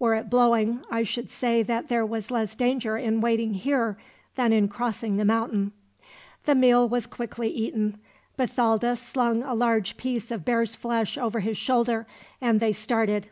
Were it blowing, I should say that there was less danger in waiting here than in crossing the mountain." The meal was quickly eaten. Bathalda slung a large piece of bear's flesh over his shoulder, and they started.